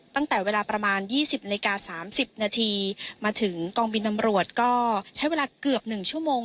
ตั้งแต่เวลาประมาณยี่สิบนาทีสามสิบนาทีมาถึงกองบินตำรวจก็ใช้เวลาเกือบหนึ่งชั่วโมง